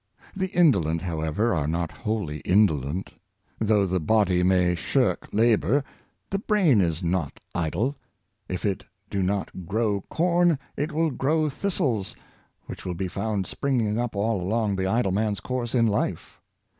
The indolent, however, are not wholly indolent. Though the body may shirk labor, the brain is not idle. If it do not grow corn, it will grow thistles, which will be found springing up all along the idle man's course in life.